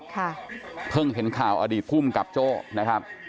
ค่ะเพิ่งเห็นข่าวอดีตภูมิกับโจ้นะครับ